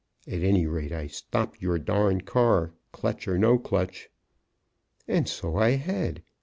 At any rate, I stopped your darn car, clutch, or no clutch." And so I had.